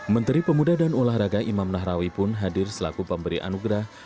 menteri pemuda dan olahraga imam nahrawi pun hadir selaku pemberi anugerah